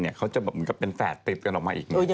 เหมือนกับเป็นแฝดติดกันออกมาอีก